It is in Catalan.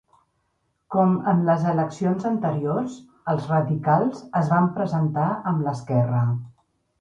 Com en les eleccions anteriors, els radicals es van presentar amb l'esquerra.